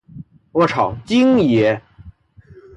我超，京爷